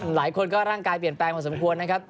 หลายคนก็ร่างกายเปลี่ยนแปลงพอสมควรนะครับ